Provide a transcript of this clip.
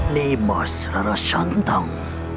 nimas rara santang